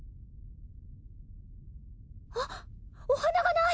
あっお花がない！